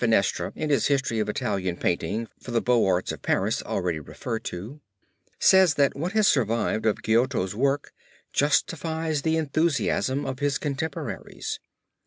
] Lafenestre, in his history of Italian painting for the Beaux Arts of Paris already referred to, says that what has survived of Giotto's work justifies the enthusiasm of his contemporaries.